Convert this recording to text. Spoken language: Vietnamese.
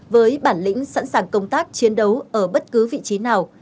với bản lĩnh sẵn sàng công tác chiến đấu ở bất cứ vị trí nào